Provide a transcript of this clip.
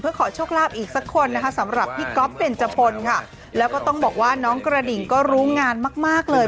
ขอโชคลาภอีกสักคนนะคะสำหรับพี่ก๊อฟเบนจพลค่ะแล้วก็ต้องบอกว่าน้องกระดิ่งก็รู้งานมากมากเลย